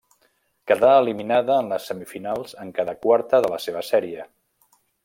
Quedà eliminada en les semifinals en quedar quarta de la seva sèrie.